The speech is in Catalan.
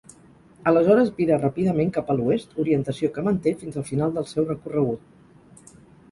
Aleshores vira ràpidament cap a l'oest, orientació que manté fins al final del seu recorregut.